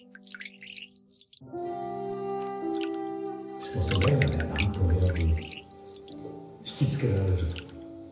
しかもその絵がね何とも言えず引き付けられる。